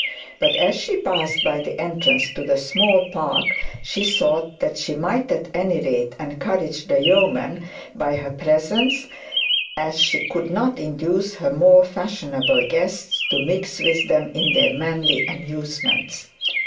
But as she passed by the entrance to the small park, she thought that she might at any rate encourage the yeomen by her presence, as she could not induced her more fashionable guests to mix with them in their many amusements.